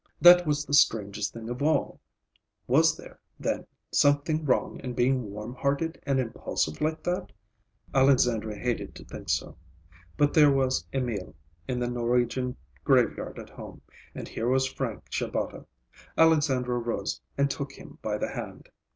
That was the strangest thing of all. Was there, then, something wrong in being warm hearted and impulsive like that? Alexandra hated to think so. But there was Emil, in the Norwegian graveyard at home, and here was Frank Shabata. Alexandra rose and took him by the hand.